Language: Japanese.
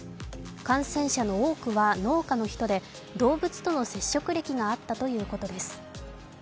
感染者の多くは農家の人で動物との接触歴があったとのことです。